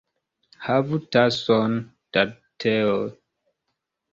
Havu tason da teo.